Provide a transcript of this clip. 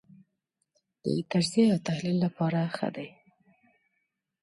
د تجزیې او تحلیل لپاره ښه دی.